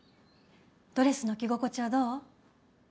ドレスの着心地はどう？